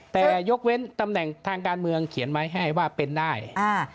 แต่ยกเว้นตำแหน่งทางการเมืองเขียนไว้ให้ว่าเป็นได้อ่า